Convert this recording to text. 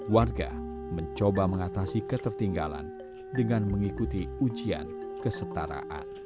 warga mencoba mengatasi ketertinggalan dengan mengikuti ujian kesetaraan